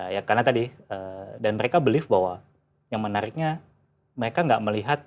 ya karena tadi dan mereka believe bahwa yang menariknya mereka nggak melihat